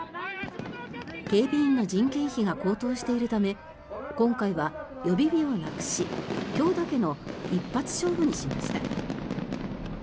警備員の人件費が高騰しているため今回は予備日をなくし今日だけの一発勝負にしました。